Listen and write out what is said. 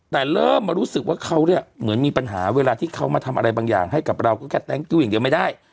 แต่เริ่มมารู้สึกว่าเขาเนี่ยเหมือนมีปัญหาเวลาที่เขามาทำอะไรบางอย่างให้กับเราก็แค่แง๊งติ้วอย่างเดียวไม่ได้